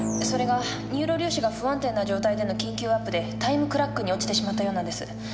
それがニューロ粒子が不安定な状態での緊急ワープでタイムクラックに落ちてしまったようなんです。